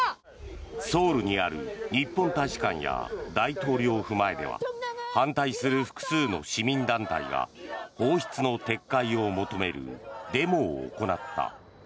ソウルにある日本大使館や大統領府前では反対する複数の市民団体が放出の撤回を求めるデモを行った。